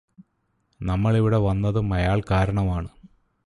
നമ്മളിവിടെ വന്നതും അയാള് കാരണമാണ്